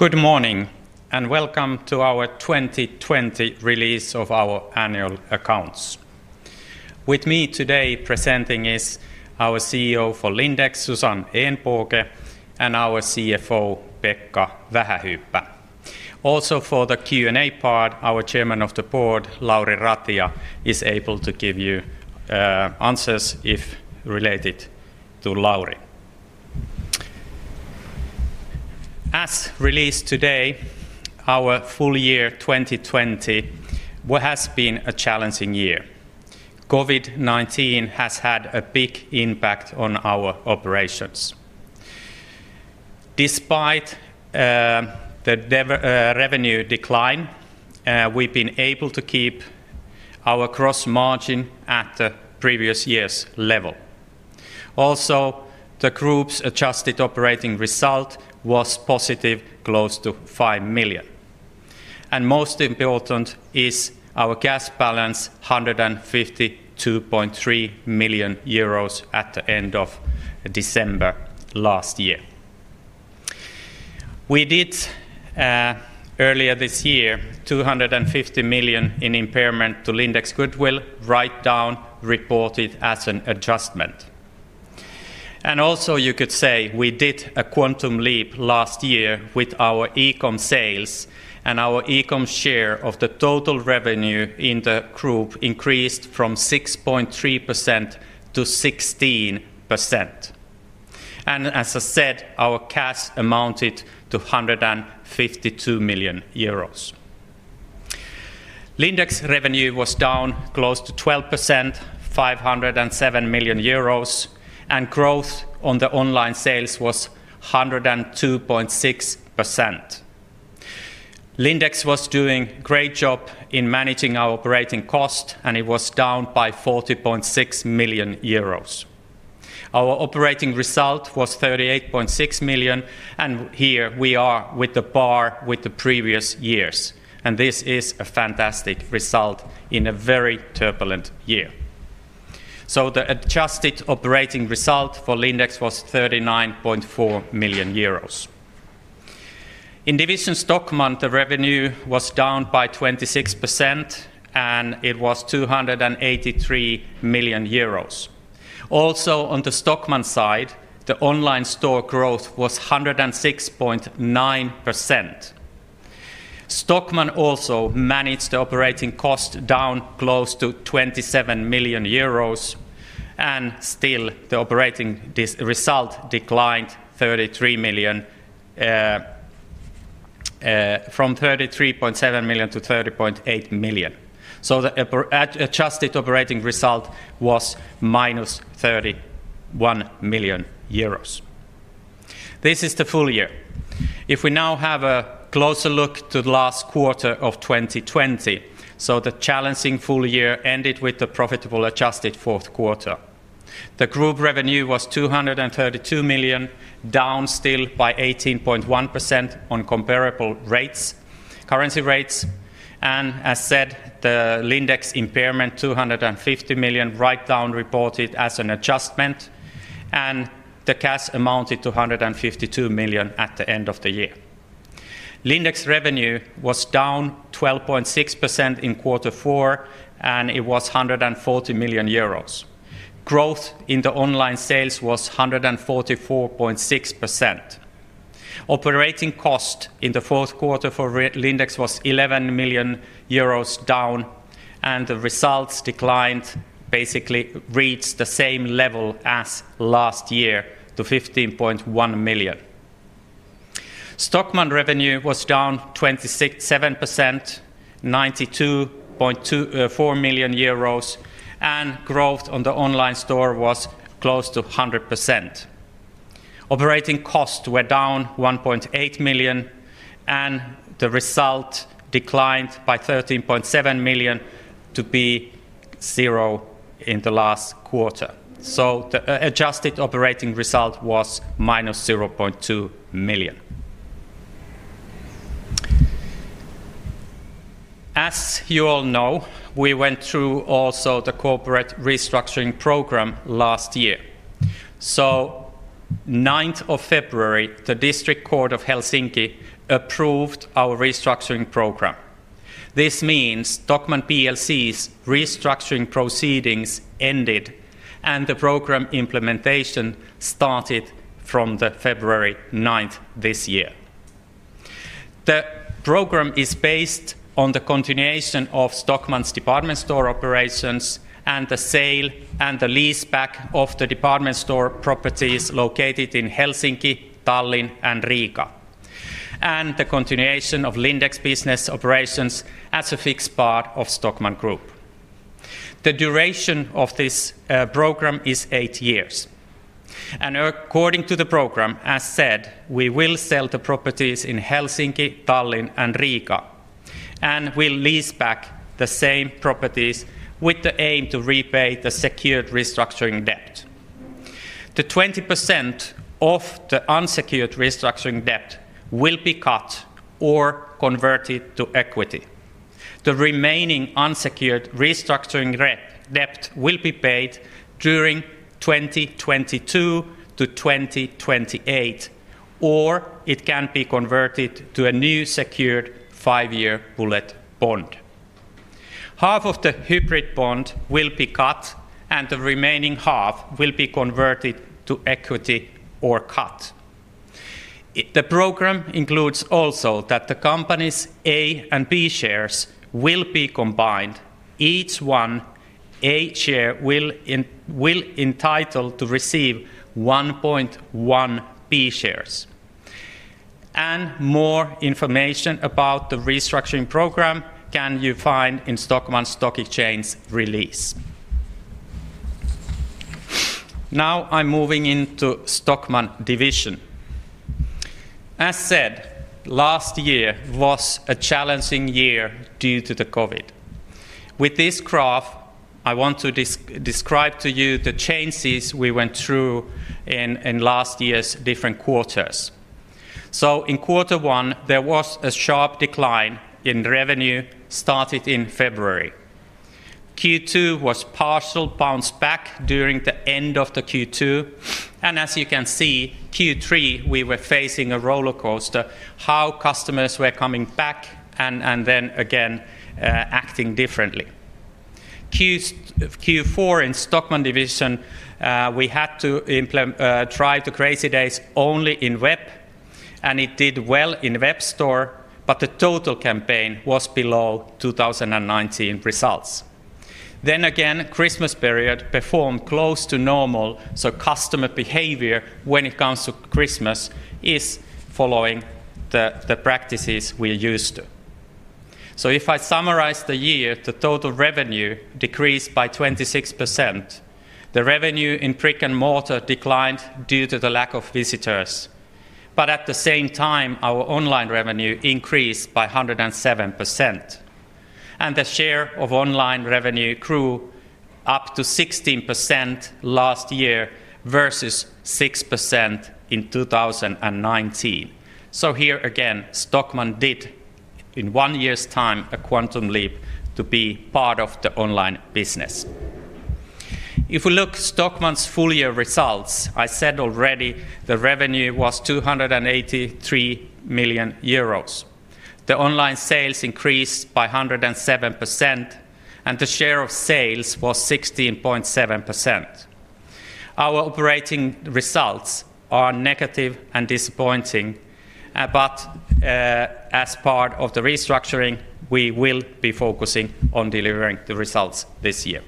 Good morning, and welcome to our 2020 release of our annual accounts. With me today presenting is our CEO for Lindex, Susanne Ehnbåge, and our CFO, Pekka Vähähyyppä. Also, for the Q&A part, our chairman of the board, Lauri Ratia, is able to give you answers if related to Lauri. As released today, our full year 2020 has been a challenging year. COVID-19 has had a big impact on our operations. Despite the revenue decline, we've been able to keep our gross margin at the previous year's level. The group's Adjusted Operating Result was positive, close to 5 million. Most important is our cash balance, 152.3 million euros at the end of December last year. We did earlier this year 250 million in impairment to Lindex goodwill, write-down reported as an adjustment. You could say we did a quantum leap last year with our e-com sales, and our e-com share of the total revenue in the group increased from 6.3% to 16%. As I said, our cash amounted to 152 million euros. Lindex revenue was down close to 12%, 507 million euros, and growth on the online sales was 102.6%. Lindex was doing great job in managing our operating cost, and it was down by 40.6 million euros. Our operating result was 38.6 million, and here we are with the par with the previous years, and this is a fantastic result in a very turbulent year. The adjusted operating result for Lindex was 39.4 million euros. In division Stockmann, the revenue was down by 26%, and it was 283 million euros. On the Stockmann side, the online store growth was 106.9%. Stockmann also managed the operating cost down close to 27 million euros, Still the operating result declined 33 million, from 33.7 million to 30.8 million. The Adjusted Operating Result was -31 million euros. This is the full year. If we now have a closer look to the last quarter of 2020, the challenging full year ended with the profitable adjusted Q4. The group revenue was 232 million, down still by 18.1% on comparable rates, currency rates. As said, the Lindex impairment 250 million write-down reported as an adjustment. The cash amounted to 152 million at the end of the year. Lindex revenue was down 12.6% in Q4. It was 140 million euros. Growth in the online sales was 144.6%. Operating cost in the Q4 for Lindex was 11 million euros down. The results declined, basically reached the same level as last year to 15.1 million. Stockmann revenue was down to 6%-7%, 92.24 million euros. Growth on the online store was close to 100%. Operating costs were down 1.8 million. The result declined by 13.7 million to be 0 in the last quarter. The Adjusted Operating Result was -0.2 million. As you all know, we went through also the corporate restructuring program last year. 9th of February, the District Court of Helsinki approved our restructuring program. This means Stockmann PLC's restructuring proceedings ended. The program implementation started from the February 9th this year. The program is based on the continuation of Stockmann's department store operations and the sale and the lease back of the department store properties located in Helsinki, Tallinn, and Riga, and the continuation of Lindex business operations as a fixed part of Stockmann Group. The duration of this program is eight years. According to the program, as said, we will sell the properties in Helsinki, Tallinn, and Riga, and we'll lease back the same properties with the aim to repay the secured restructuring debt. The 20% of the unsecured restructuring debt will be cut or converted to equity. The remaining unsecured restructuring debt will be paid during 2022-2028, or it can be converted to a new secured five-year bullet bond. Half of the hybrid bond will be cut. The remaining half will be converted to equity or cut. The program includes also that the company's A and B shares will be combined. Each one, A share will entitle to receive 1.1 billion shares. More information about the restructuring program can you find in Stockmann Stock Exchange release. I'm moving into Stockmann Division. Last year was a challenging year due to the COVID. With this graph, I want to describe to you the changes we went through in last year's different quarters. In Q1, there was a sharp decline in revenue, started in February. Q2 was partial bounce back during the end of the Q2, and as you can see, Q3 we were facing a roller coaster, how customers were coming back and then again, acting differently. Q4 in Stockmann Division, we had to try the Crazy Days only in web, it did well in web store, the total campaign was below 2019 results. Christmas period performed close to normal, customer behavior when it comes to Christmas is following the practices we're used to. If I summarize the year, the total revenue decreased by 26%. The revenue in brick-and-mortar declined due to the lack of visitors, at the same time, our online revenue increased by 107%, the share of online revenue grew up to 16% last year versus 6% in 2019. Here again, Stockmann did, in one year's time, a quantum leap to be part of the online business. If we look Stockmann's full-year results, I said already the revenue was 283 million euros. The online sales increased by 107%, and the share of sales was 16.7%. Our operating results are negative and disappointing, but as part of the restructuring, we will be focusing on delivering the results this year.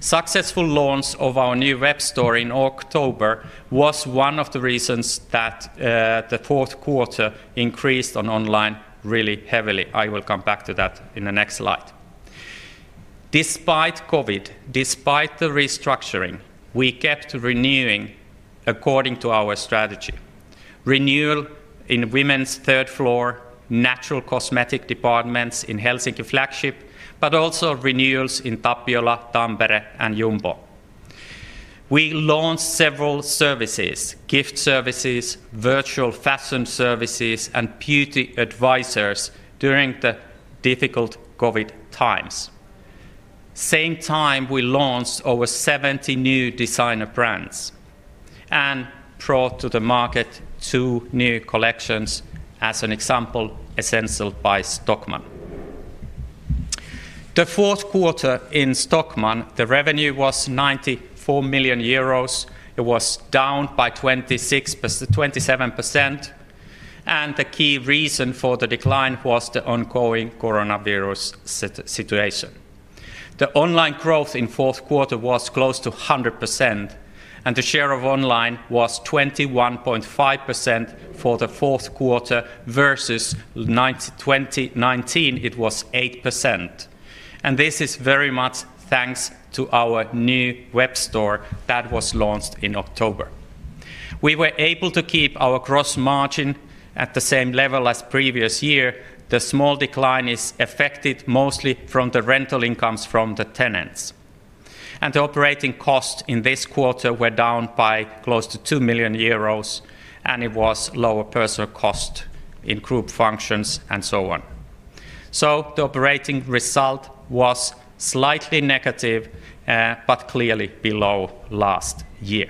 Successful launch of our new web store in October was one of the reasons that the Q4 increased on online really heavily. I will come back to that in the next slide. Despite COVID, despite the restructuring, we kept renewing according to our strategy. Renewal in women's third floor, natural cosmetic departments in Helsinki flagship, but also renewals in Tapiola, Tampere, and Jumbo. We launched several services, gift services, virtual fashion services, and beauty advisors during the difficult COVID times. Same time we launched over 70 new designer brands and brought to the market two new collections, as an example, Essentiel by Stockmann. The Q4 in Stockmann, the revenue was 94 million euros. It was down by 26%-27%, the key reason for the decline was the ongoing coronavirus situation. The online growth in Q4 was close to 100%, the share of online was 21.5% for the Q4 versus 2019, it was 8%. This is very much thanks to our new web store that was launched in October. We were able to keep our gross margin at the same level as previous year. The small decline is affected mostly from the rental incomes from the tenants. The operating costs in this quarter were down by close to 2 million euros, it was lower personal cost in group functions and so on. The operating result was slightly negative, but clearly below last year.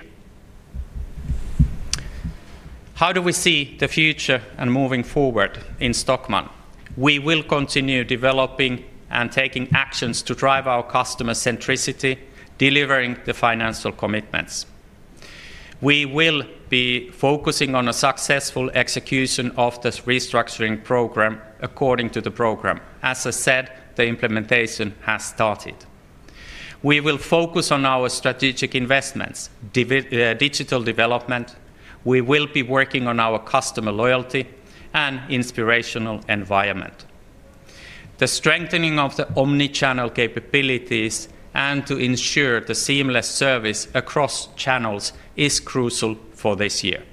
How do we see the future and moving forward in Stockmann? We will continue developing and taking actions to drive our customer centricity, delivering the financial commitments. We will be focusing on a successful execution of this restructuring program according to the program. As I said, the implementation has started. We will focus on our strategic investments, digital development. We will be working on our customer loyalty and inspirational environment. The strengthening of the omni-channel capabilities and to ensure the seamless service across channels is crucial for this year.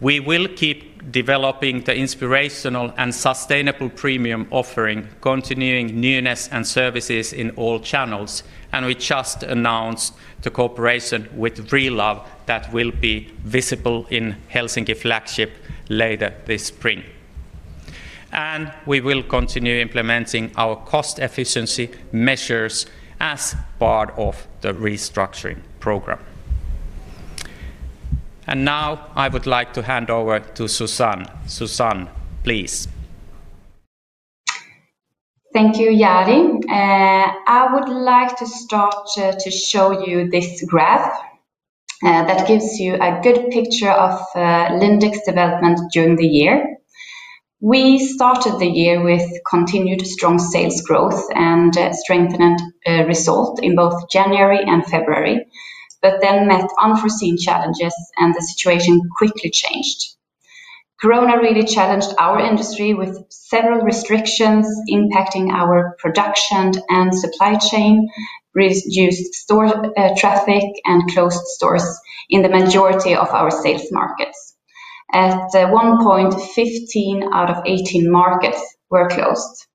We will keep developing the inspirational and sustainable premium offering, continuing newness and services in all channels, and we just announced the cooperation with Relove that will be visible in Helsinki flagship later this spring. We will continue implementing our cost efficiency measures as part of the restructuring program. Now I would like to hand over to Susanne. Susanne, please. Thank you, Jari. I would like to start to show you this graph that gives you a good picture of Lindex development during the year. We started the year with continued strong sales growth and a strengthened result in both January and February, met unforeseen challenges and the situation quickly changed. COVID-19 really challenged our industry with several restrictions impacting our production and supply chain, reduced store traffic, and closed stores in the majority of our sales markets. At one point, 15 out of 18 markets were closed.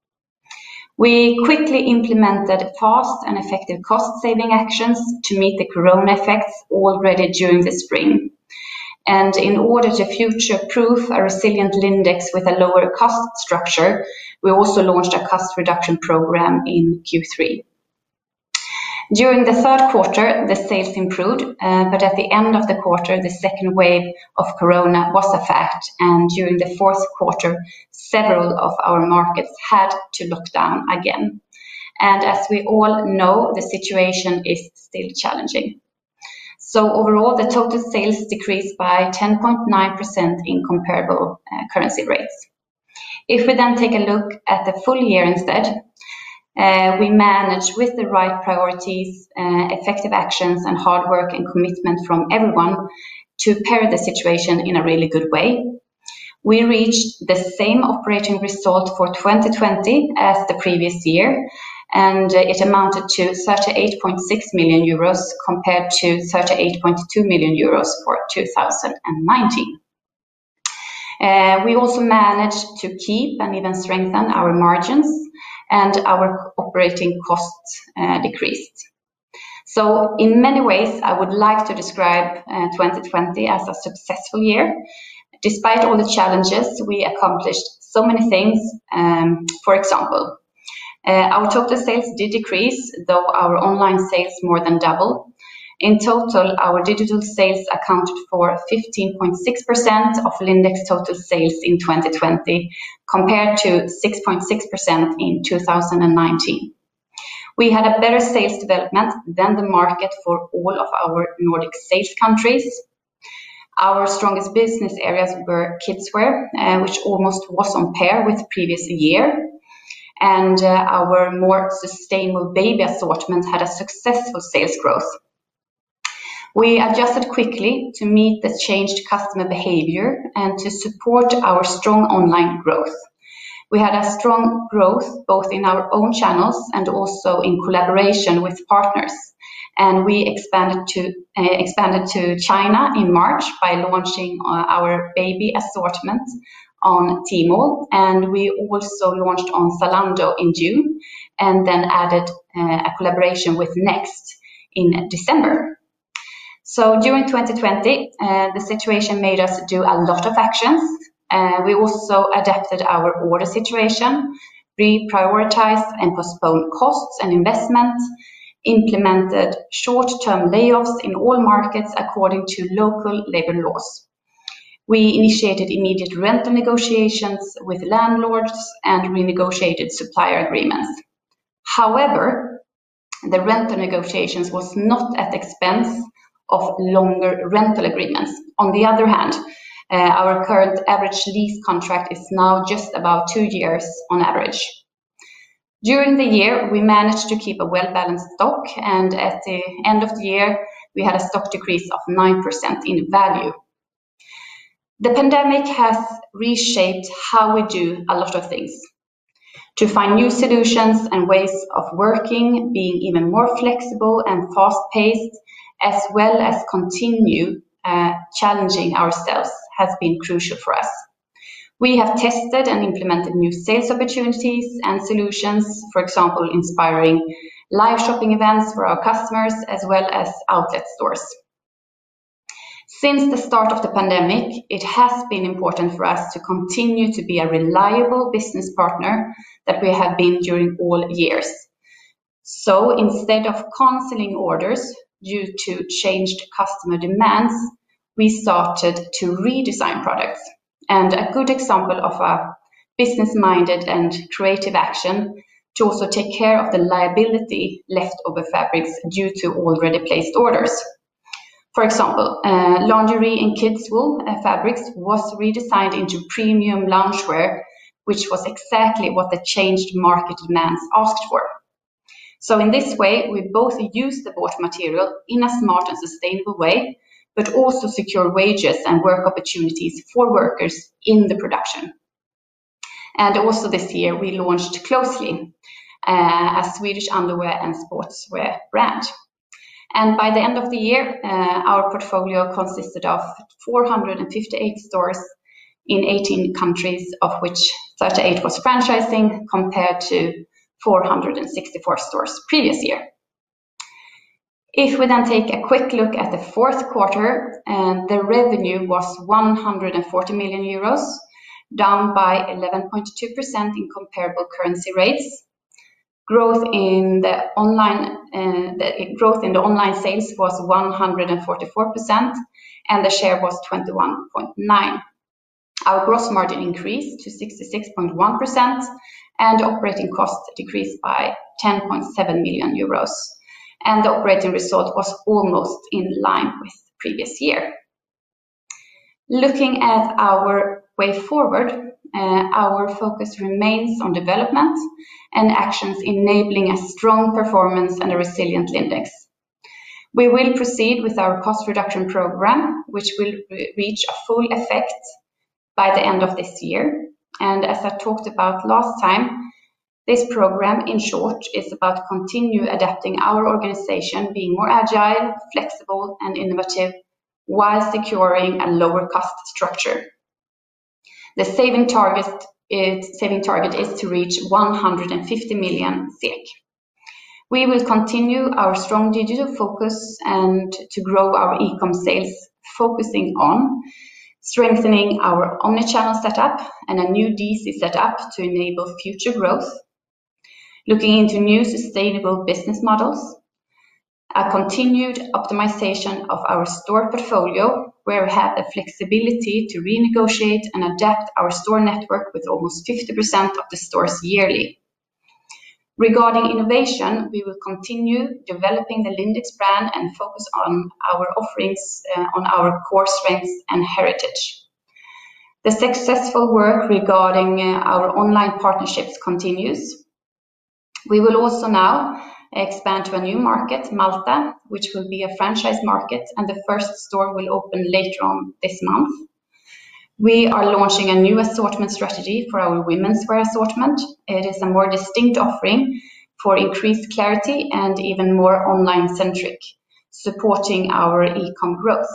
We quickly implemented fast and effective cost saving actions to meet the COVID-19 effects already during the spring and in order to future-proof a resilient Lindex with a lower cost structure, we also launched a cost reduction program in Q3. During the Q3, the sales improved, but at the end of the quarter, the second wave of corona was a fact. During the Q4, several of our markets had to lock down again. As we all know, the situation is still challenging. Overall, the total sales decreased by 10.9% in comparable currency rates. If we then take a look at the full year instead, we managed with the right priorities, effective actions, and hard work and commitment from everyone to pare the situation in a really good way. We reached the same operating result for 2020 as the previous year. It amounted to 38.6 million euros compared to 38.2 million euros for 2019. We also managed to keep and even strengthen our margins and our operating costs decreased. In many ways, I would like to describe 2020 as a successful year. Despite all the challenges, we accomplished so many things, for example, our total sales did decrease, though our online sales more than double. In total, our digital sales accounted for 15.6% of Lindex total sales in 2020 compared to 6.6% in 2019. We had a better sales development than the market for all of our Nordic safe countries. Our strongest business areas were kidswear, which almost was on par with previous year, and our more sustainable baby assortment had a successful sales growth. We adjusted quickly to meet the changed customer behavior and to support our strong online growth. We had a strong growth both in our own channels and also in collaboration with partners. We expanded to China in March by launching our baby assortment on Tmall, we also launched on Zalando in June, added a collaboration with Next in December. During 2020, the situation made us do a lot of actions. We also adapted our order situation, reprioritized and postponed costs and investments, implemented short-term layoffs in all markets according to local labor laws. We initiated immediate rental negotiations with landlords and renegotiated supplier agreements. However, the rental negotiations was not at expense of longer rental agreements. On the other hand, our current average lease contract is now just about two years on average. During the year, we managed to keep a well-balanced stock. At the end of the year, we had a stock decrease of 9% in value. The pandemic has reshaped how we do a lot of things. To find new solutions and ways of working, being even more flexible and fast-paced, as well as continue challenging ourselves has been crucial for us. We have tested and implemented new sales opportunities and solutions, for example, inspiring live shopping events for our customers as well as outlet stores. Since the start of the pandemic, it has been important for us to continue to be a reliable business partner that we have been during all years. Instead of canceling orders due to changed customer demands, we started to redesign products, and a good example of a business-minded and creative action to also take care of the liability left over fabrics due to already placed orders. For example, lingerie and kids wool, fabrics was redesigned into premium loungewear, which was exactly what the changed market demands asked for. In this way, we both used the bought material in a smart and sustainable way, but also secure wages and work opportunities for workers in the production. Also this year, we launched Closely, a Swedish underwear and sportswear brand. By the end of the year, our portfolio consisted of 458 stores in 18 countries, of which 38 was franchising compared to 464 stores previous year. If we take a quick look at the Q4, the revenue was 140 million euros, down by 11.2% in comparable currency rates. The growth in the online sales was 144%, and the share was 21.9%. Our gross margin increased to 66.1%, and operating costs decreased by 10.7 million euros, and the operating result was almost in line with previous year. Looking at our way forward, our focus remains on development and actions enabling a strong performance and a resilient Lindex. We will proceed with our cost reduction program, which will re-reach a full effect by the end of this year. As I talked about last time, this program, in short, is about continue adapting our organization being more agile, flexible, and innovative while securing a lower cost structure. The saving target is to reach 150 million. We will continue our strong digital focus and to grow our e-com sales, focusing on strengthening our omni-channel setup and a new DC set up to enable future growth, looking into new sustainable business models, a continued optimization of our store portfolio, where we have a flexibility to renegotiate and adapt our store network with almost 50% of the stores yearly. Regarding innovation, we will continue developing the Lindex brand and focus on our offerings on our core strengths and heritage. The successful work regarding our online partnerships continues. We will also now expand to a new market, Malta, which will be a franchise market, and the first store will open later on this month. We are launching a new assortment strategy for our womenswear assortment. It is a more distinct offering for increased clarity and even more online-centric, supporting our e-com growth.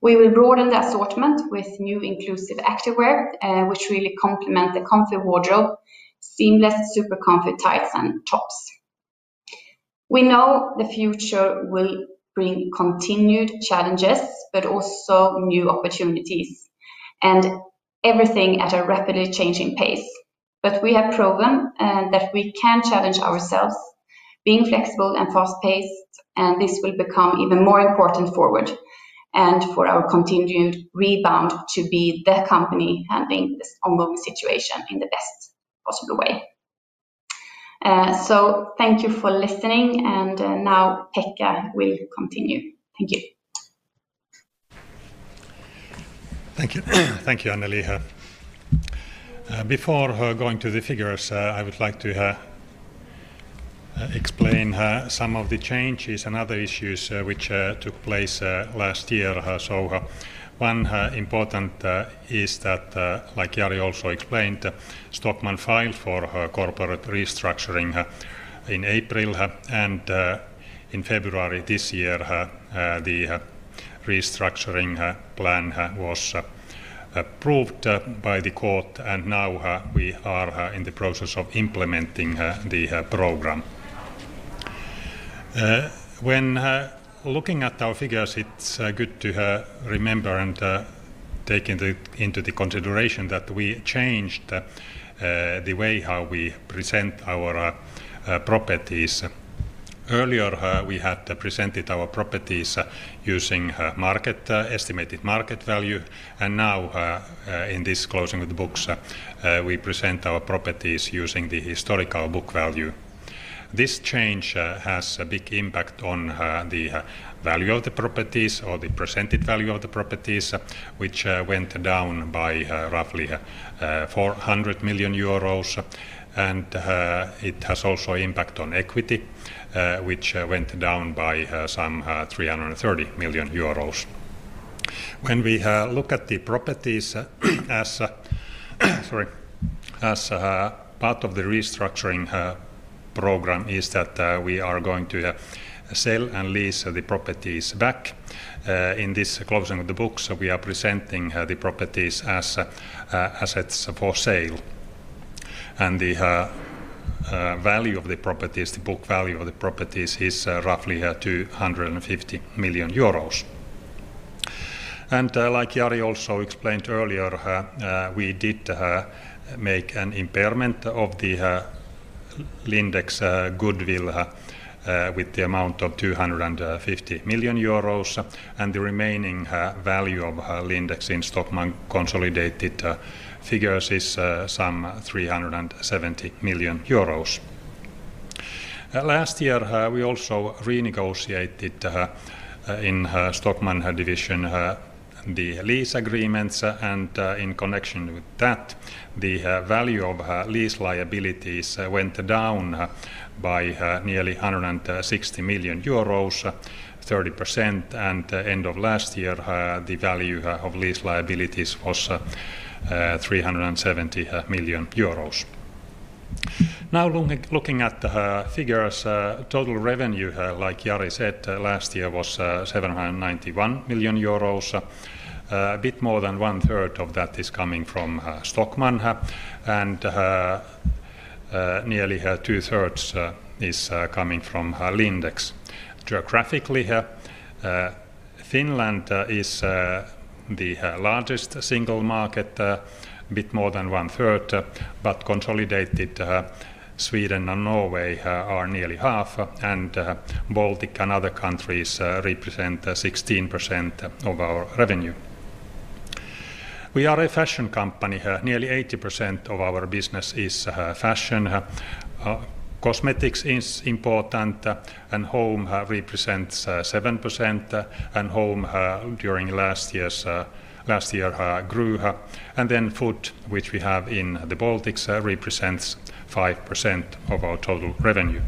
We will broaden the assortment with new inclusive activewear, which really complement the comfy wardrobe, seamless super comfy tights and tops. We know the future will bring continued challenges, but also new opportunities and everything at a rapidly changing pace. We have proven that we can challenge ourselves being flexible and fast-paced, and this will become even more important forward and for our continued rebound to be the company handling this ongoing situation in the best possible way. Thank you for listening. Now Pekka will continue. Thank you. Thank you. Thank you, Ehnbåge. Before going to the figures, I would like to explain some of the changes and other issues which took place last year. One important is that like Jari also explained, Stockmann filed for corporate restructuring in April. In February this year, the restructuring plan was approved by the court, and now we are in the process of implementing the program. When looking at our figures, it's good to remember and take into the consideration that we changed the way how we present our properties. Earlier, we had presented our properties using estimated market value, and now, in this closing of the books, we present our properties using the historical book value. This change has a big impact on the value of the properties or the presented value of the properties, which went down by roughly 400 million euros. It has also impact on equity, which went down by some 330 million euros. When we look at the properties as, sorry, as part of the restructuring program is that, we are going to sell and lease the properties back. In this closing of the books, we are presenting the properties as assets for sale. The value of the properties, the book value of the properties is roughly 250 million euros. Like Jari also explained earlier, we did make an impairment of the Lindex goodwill with the amount of 250 million euros. The remaining value of Lindex in Stockmann consolidated figures is some 370 million euros. Last year, we also renegotiated in Stockmann division the lease agreements. In connection with that, the value of lease liabilities went down by nearly 160 million euros, 30%. End of last year, the value of lease liabilities was 370 million euros. Looking at the figures, total revenue, like Jari said, last year was 791 million euros. A bit more than 1/3 of that is coming from Stockmann. Nearly two thirds is coming from Lindex. Geographically, Finland is the largest single market, a bit more than 1/3, consolidated, Sweden and Norway are nearly 1/2, Baltic and other countries represent 16% of our revenue. We are a fashion company. Nearly 80% of our business is fashion. Cosmetics is important, home represents 7%, home during last year grew. Food, which we have in the Baltics, represents 5% of our total revenue.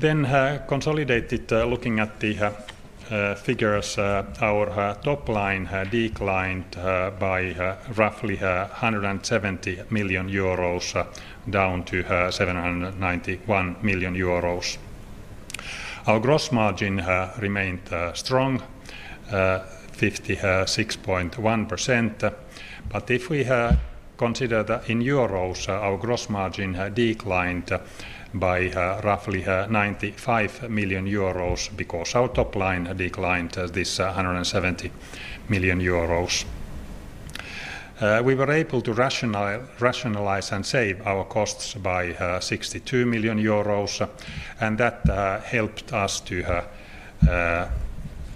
Consolidated, looking at the figures, our top line declined by roughly 170 million euros, down to 791 million. Our gross margin remained strong, 56.1%. If we consider that in euros, our gross margin declined by roughly 95 million euros because our top line declined this 170 million euros. We were able to rationalize and save our costs by 62 million euros, and that helped us to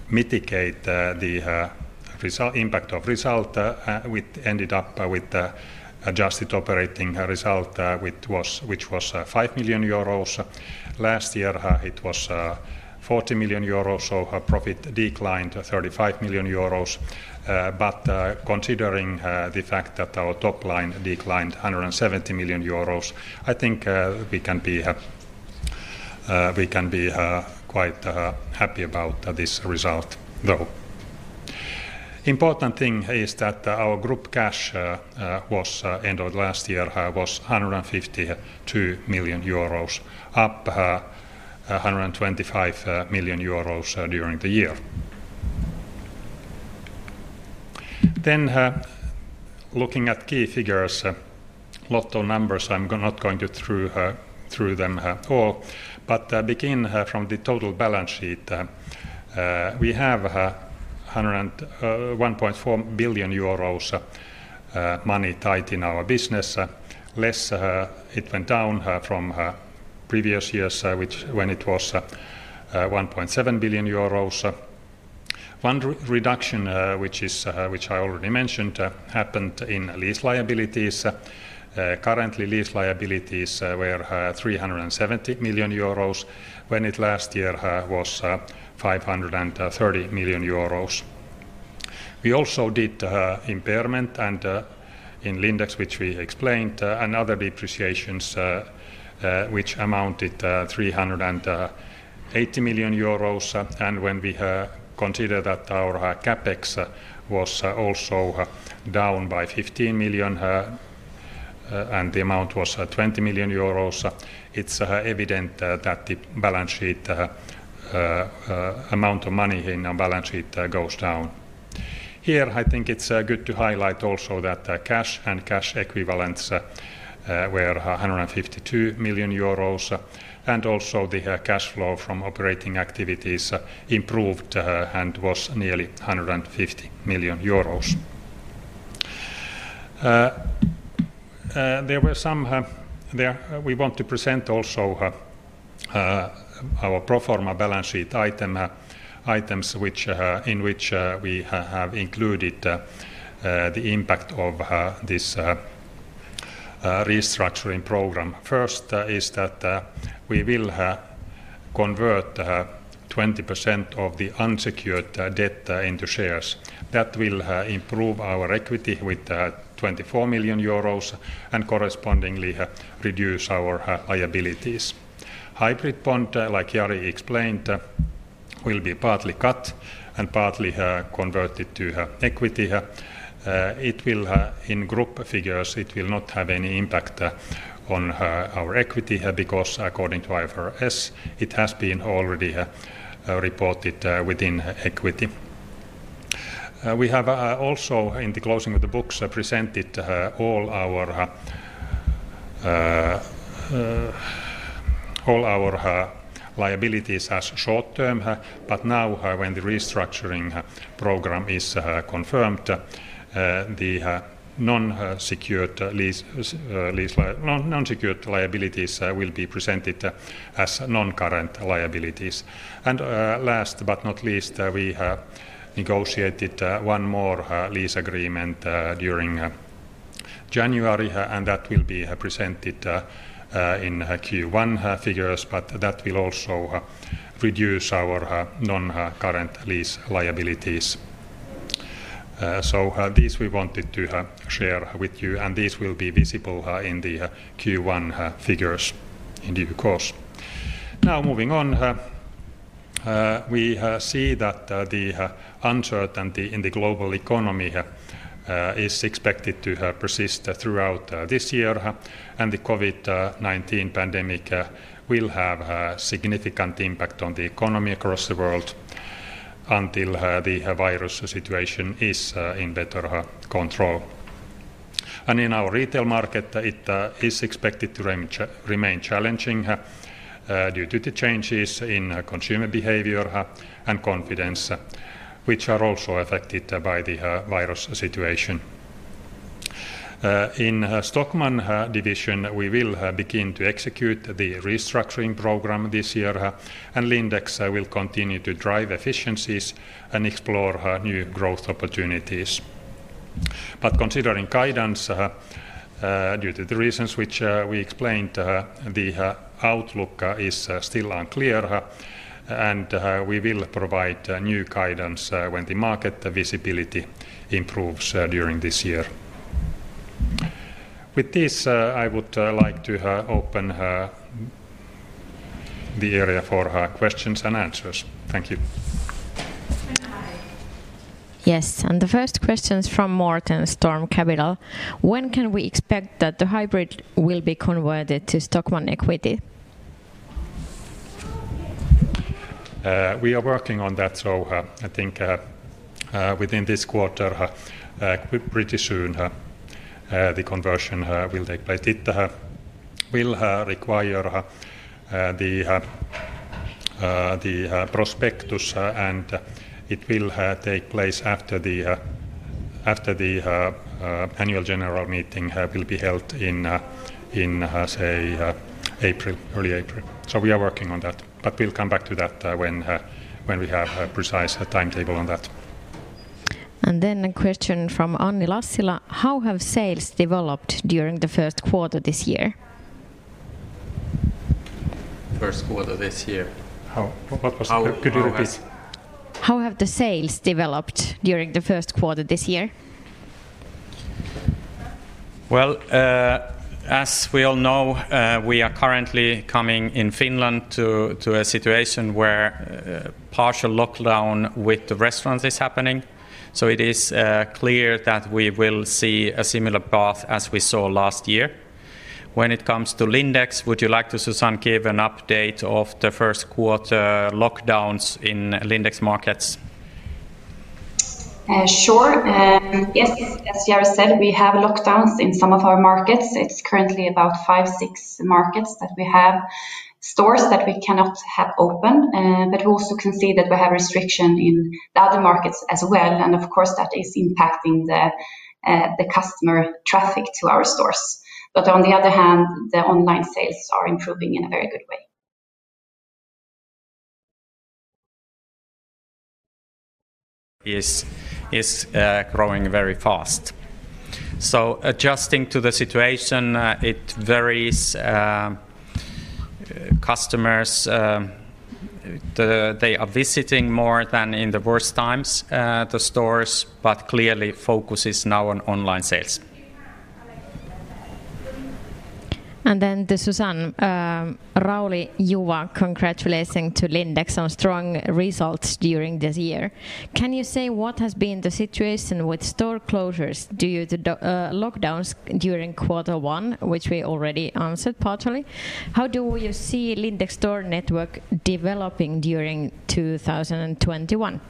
mitigate the impact of result. We ended up with the Adjusted Operating Result, which was 5 million euros. Last year, it was 40 million euros, so our profit declined to 35 million euros. Considering the fact that our top line declined 170 million euros, I think we can be quite happy about this result though. Important thing is that our group cash was end of last year 152 million euros, up 125 million euros during the year. Looking at key figures, lot of numbers, I'm not going to through them all, begin from the total balance sheet. We have 1.4 billion euros money tied in our business. Less, it went down from previous years, which when it was 1.7 billion euros. One re-reduction, which is, which I already mentioned, happened in lease liabilities. Currently, lease liabilities were 370 million euros, when it last year was 530 million euros. We also did impairment and in Lindex, which we explained, and other depreciations, which amounted 380 million euros. When we consider that our CapEx was also down by 15 million, and the amount was 20 million euros, it's evident that the balance sheet amount of money in our balance sheet goes down. Here, I think it's good to highlight also that cash and cash equivalents were 152 million euros, and also the cash flow from operating activities improved and was nearly 150 million euros. There were some. We want to present also our pro forma balance sheet items which in which we have included the impact of this restructuring program. First, is that we will convert 20% of the unsecured debt into shares. That will improve our equity with 24 million euros and correspondingly reduce our liabilities. Hybrid bond, like Jari explained, will be partly cut and partly converted to equity. It will in group figures, it will not have any impact on our equity, because according to IFRS, it has been already reported within equity. We have also, in the closing of the books, presented all our liabilities as short-term. Now, when the restructuring program is confirmed, the non-secured lease non-secured liabilities will be presented as non-current liabilities. Last but not least, we have negotiated one more lease agreement during January. That will be presented in Q1 figures, but that will also reduce our non-current lease liabilities. This we wanted to share with you, and this will be visible in the Q1 figures in due course. Now moving on, we see that the uncertainty in the global economy is expected to persist throughout this year, and the COVID-19 pandemic will have significant impact on the economy across the world. Until the virus situation is in better control. In our retail market, it is expected to remain challenging due to the changes in consumer behavior and confidence, which are also affected by the virus situation. In Stockmann division, we will begin to execute the restructuring program this year, and Lindex will continue to drive efficiencies and explore new growth opportunities. Considering guidance, due to the reasons which we explained, the outlook is still unclear, and we will provide new guidance when the market, the visibility improves during this year. With this, I would like to open the area for questions and answers. Thank you. Hi. Yes, and the first question's from Morten from Storm Capital. When can we expect that the hybrid will be converted to Stockmann equity? We are working on that. I think within this quarter, we pretty soon the conversion will take place. It will require the prospectus, and it will take place after the annual general meeting will be held in say April, early April. We are working on that, but we'll come back to that when we have a precise timetable on that. A question from Anni Lassila, "How have sales developed during the Q1 this year? Q1 this year. Could you repeat? How have the sales developed during the Q1 this year? Well, as we all know, we are currently coming in Finland to a situation where partial lockdown with the restaurants is happening. It is clear that we will see a similar path as we saw last year. When it comes to Lindex, would you like to, Susanne, give an update of the Q1 lockdowns in Lindex markets? Sure. Yes, as Jari said, we have lockdowns in some of our markets. It's currently about 5, 6 markets that we have stores that we cannot have open, but we also can see that we have restriction in the other markets as well, and of course, that is impacting the customer traffic to our stores. On the other hand, the online sales are improving in a very good way. Is growing very fast. Adjusting to the situation, it varies, customers, they are visiting more than in the worst times, the stores, but clearly focus is now on online sales. To Susanne, you were congratulating to Lindex on strong results during this year. Can you say what has been the situation with store closures due to the lockdowns during Q1, which we already answered partially? How do you see Lindex store network developing during 2021?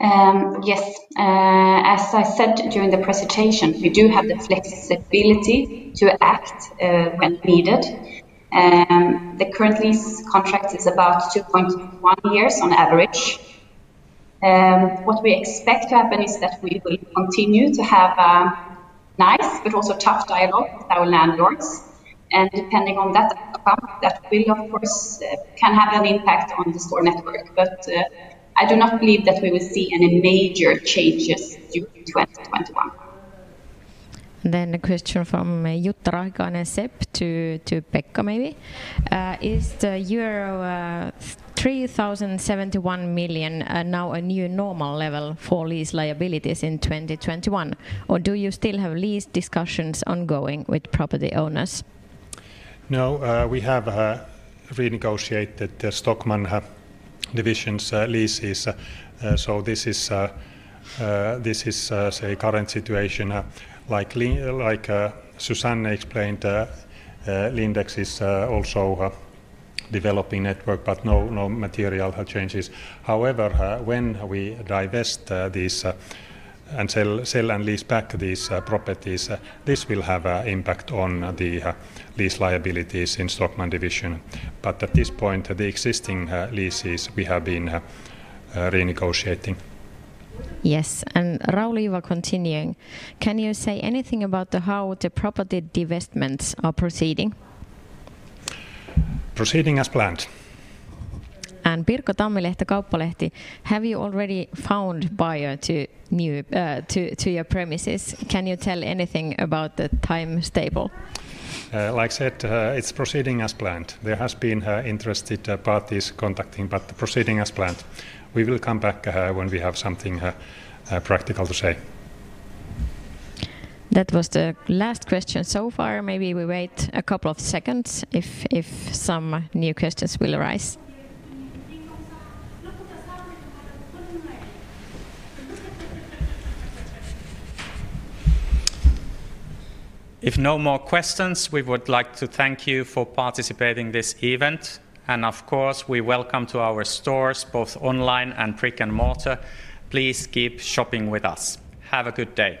Yes. As I said during the presentation, we do have the flexibility to act when needed, and the current lease contract is about 2.1 years on average. What we expect to happen is that we will continue to have a nice but also tough dialogue with our landlords, depending on that outcome, that will, of course, can have an impact on the store network. I do not believe that we will see any major changes during 2021. A question from Jutta Rahikainen to Pekka maybe. Is the euro 3,071 million now a new normal level for lease liabilities in 2021, or do you still have lease discussions ongoing with property owners? No, we have renegotiated the Stockmann division's leases. This is, this is say current situation. Like, like Susanne explained, Lindex is also developing network, but no material changes. However, when we divest these and sell and lease back these properties, this will have a impact on the lease liabilities in Stockmann division. At this point, the existing leases we have been renegotiating. Yes, Lauri we are continuing, can you say anything about how the property divestments are proceeding? Proceeding as planned. Pirkko Tammilehto, Kauppalehti, have you already found buyer to your premises? Can you tell anything about the timetable? Like I said, it's proceeding as planned. There has been interested parties contacting, but proceeding as planned. We will come back, when we have something practical to say. That was the last question so far. Maybe we wait a couple of seconds if some new questions will arise. If no more questions, we would like to thank you for participating this event, of course, we welcome to our stores, both online and brick-and-mortar. Please keep shopping with us. Have a good day.